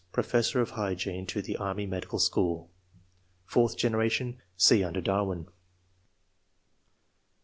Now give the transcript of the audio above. professor of hygidne to the Army Medical School. Fourth generation. — (See under Darwin.)